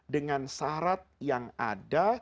dengan syarat yang ada